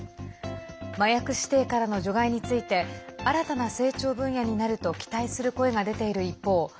麻薬指定からの除外について新たな成長分野になると期待する声が出ている一方